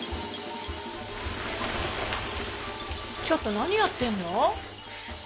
ちょっと何やってんの！